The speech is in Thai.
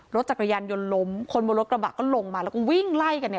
รถจักรยานยนต์ล้มคนบนรถกระบะก็ลงมาแล้วก็วิ่งไล่กันเนี่ย